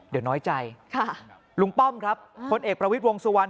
เดี๋ยวน้อยใจลุงป้อมครับพลเอกประวิทย์วงสุวรรณ